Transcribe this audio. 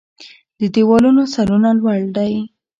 د دیوالونو سرونه لوړ دی